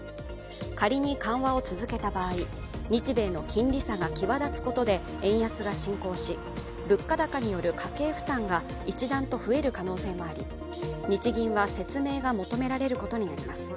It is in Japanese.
仮に緩和を続けた場合、日米の金利差が際立つことで円安が進行し、物価高による家計負担が一段と増える可能性もあり、日銀は説明が求められることになります。